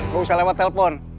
gak usah lewat telepon